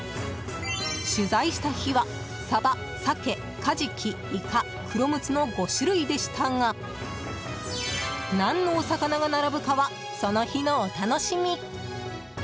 取材した日はサバ、サケ、カジキイカ、黒ムツの５種類でしたが何のお魚が並ぶかはその日のお楽しみ！